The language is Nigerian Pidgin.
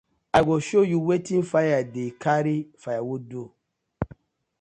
I go show yu wetin fire dey karry firewood do.